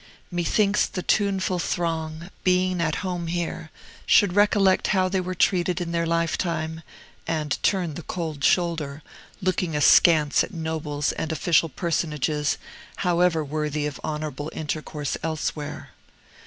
Methinks the tuneful throng, being at home here, should recollect how they were treated in their lifetime, and turn the cold shoulder, looking askance at nobles and official personages, however worthy of honorable intercourse elsewhere.